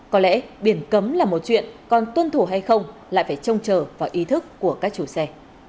có lẽ biển cấm là một chuyện còn tuân thủ hay không lại phải trông chờ vào ý thức của các chủ xe